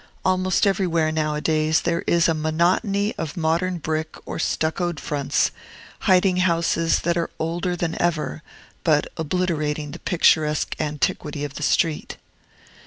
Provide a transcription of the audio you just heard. Almost everywhere, nowadays, there is a monotony of modern brick or stuccoed fronts, hiding houses that are older than ever, but obliterating the picturesque antiquity of the street.